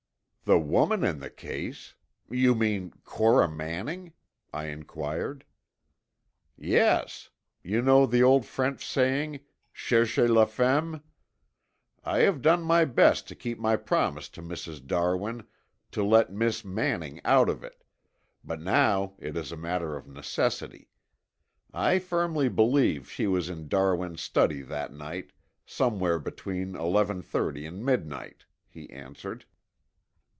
"The woman in the case? You mean Cora Manning?" I inquired. "Yes. You know the old French saying, 'Cherchez la femme.' I have done my best to keep my promise to Mrs. Darwin to let Miss Manning out of it, but now it is a matter of necessity. I firmly believe she was in Darwin's study that night, somewhere between eleven thirty and midnight," he answered.